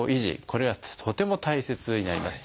これはとても大切になります。